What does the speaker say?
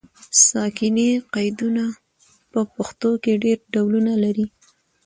ساکني قیدونه په پښتو کې ډېر ډولونه لري.